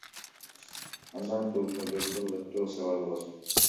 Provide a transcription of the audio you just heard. Анда автобустун айдоочусу кызыктуу окуяларды угат.